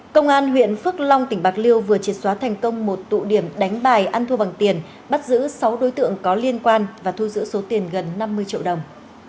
công an huyện phước long tỉnh bạc liêu vừa triệt xóa thành công một tụ điểm đánh bài ăn thua bằng tiền bắt giữ sáu đối tượng có liên quan và thu giữ số tiền gần năm mươi triệu đồng